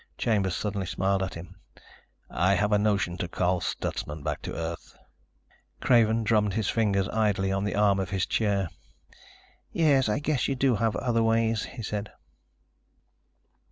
Chambers suddenly smiled at them. "I have a notion to call Stutsman back to Earth." Craven drummed his fingers idly on the arm of his chair. "Yes, I guess you do have other ways," he said.